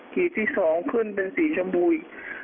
ขีดที่๒ขึ้นเป็นสีชมพูอีก